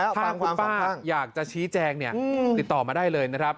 ทางคุณป้าอยากจะชี้แจงเนี่ยติดต่อมาได้เลยนะครับ